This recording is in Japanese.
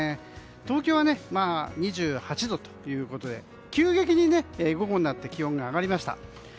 東京は２８度ということで急激に午後になって気温が上がりました。